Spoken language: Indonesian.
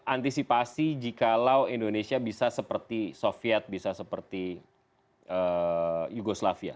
antisipasi jikalau indonesia bisa seperti soviet bisa seperti yugoslavia